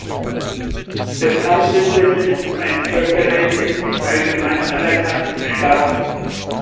Es handelte sich um einen völkerrechtlich nicht allgemein anerkannten Staat.